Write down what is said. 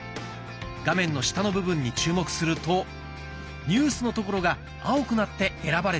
画面の下の部分に注目すると「ニュース」の所が青くなって選ばれています。